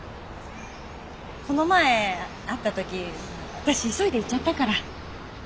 この前会った時私急いで行っちゃったから。